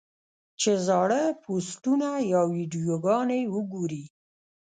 چې زاړۀ پوسټونه يا ويډيوګانې اوګوري -